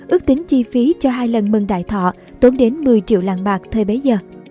ước tính chi phí cho hai lần mừng đại thọ tốn đến một mươi triệu đồng